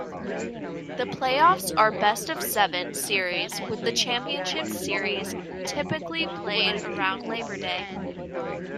The playoffs are best-of-seven series with the Championship series typically played around Labour Day.